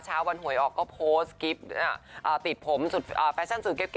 ชาววันหวยออกก็โพสต์กริฟต์ติดผมฟาร์ชั่นสวยเก๋บ